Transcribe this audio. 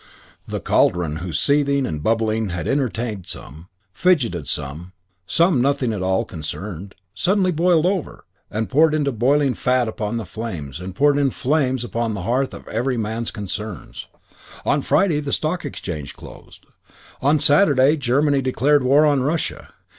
The cauldron whose seething and bubbling had entertained some, fidgeted some, some nothing at all concerned, suddenly boiled over, and poured in boiling fat upon the flames, and poured in flames upon the hearth of every man's concerns. On Friday the Stock Exchange closed. On Saturday Germany declared war on Russia.